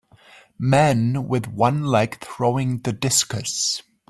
Man with one leg throwing the discus.